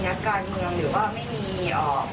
หรือว่าใครที่เป็นเส้นหรือว่าเป็นแบ็ค